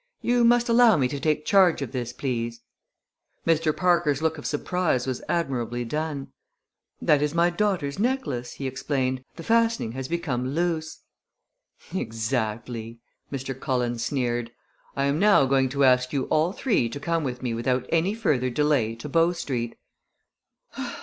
You must allow me to take charge of this, please." Mr. Parker's look of surprise was admirably done. "That is my daughter's necklace," he explained. "The fastening has become loose." "Exactly!" Mr. Cullen sneered. "I am now going to ask you all three to come with me without any further delay to Bow Street."